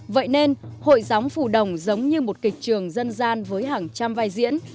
vậy nên hội gióng phù đồng giống như một kịch trường dân gian với hàng trăm vai diễn